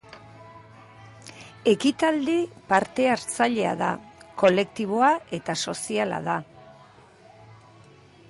Ekitaldi parte-hartzailea da, kolektiboa eta soziala da.